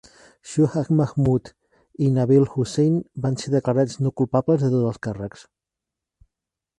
Shujah Mahmood i Nabeel Hussain van ser declarats no culpables de tots els càrrecs.